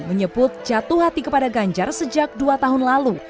menyebut jatuh hati kepada ganjar sejak dua tahun lalu